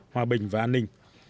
hòa bình và an ninh